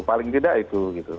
paling tidak itu